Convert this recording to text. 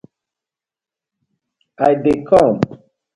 I dey kom.